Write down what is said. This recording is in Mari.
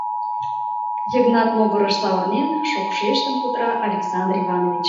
— Йыгнат могырыш савырнен, шокшештын кутыра Александр Иванович.